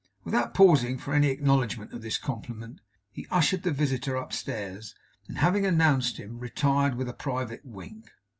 Without pausing for any acknowledgement of this compliment, he ushered the visitor upstairs, and having announced him, retired with a private wink.